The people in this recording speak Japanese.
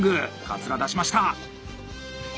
かつら出しました！